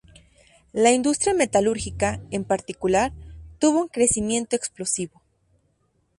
La industria metalúrgica, en particular, tuvo un crecimiento explosivo.